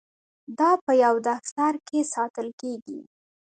دا په یو دفتر کې ساتل کیږي.